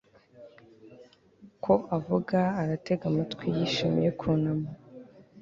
Ko avuga aratega amatwi yishimiye kunama